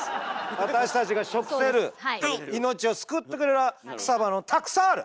私たちが食せる命を救ってくれる草花はたくさんある！